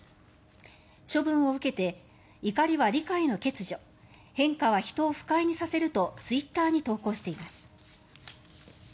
処分を受けて怒りは理解の欠如変化は人を不快にさせるとツイッターに投稿しています。